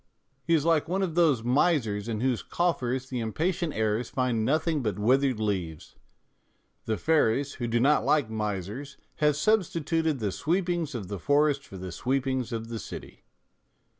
He is like one of those misers in whose coffers the impatient heirs find nothing but withered leaves, the fairies, who do not like misers, having substituted the sweepings of the forest for the sweepings of the city.